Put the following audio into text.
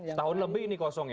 setahun lebih ini kosong ya